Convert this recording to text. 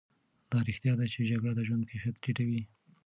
دا رښتیا ده چې جګړې د ژوند کیفیت ټیټوي.